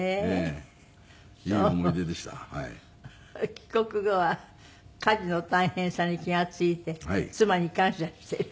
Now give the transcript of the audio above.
帰国後は家事の大変さに気が付いて妻に感謝してる？